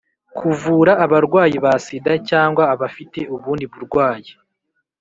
kuvura abarwayi ba sida cyangwa abafite ubundi burwayi.